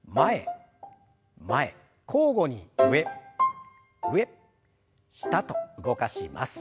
交互に上上下と動かします。